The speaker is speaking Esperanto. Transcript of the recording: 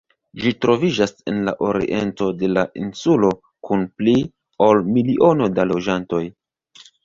Ĝi troviĝas en la oriento de la insulo, kun pli ol miliono da loĝantoj.